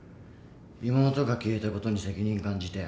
妹が消えたことに責任感じて。